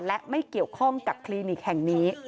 และไม่เกี่ยวข้องกับคลินิกแห่งนี้